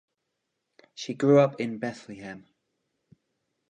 She grew up in Bethlehem.